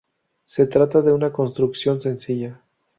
Se trata de una construcción sencilla.